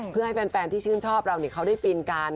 เพื่อให้แฟนที่ชื่นชอบเราเขาได้ฟินกัน